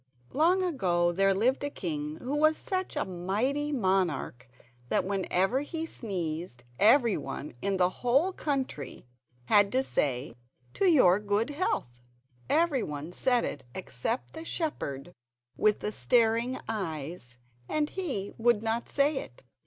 Long, long ago there lived a king who was such a mighty monarch that whenever he sneezed every one in the whole country had to say "To your good health!" Every one said it except the shepherd with the staring eyes, and he would not say it.